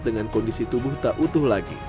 dengan kondisi tubuh tak utuh lagi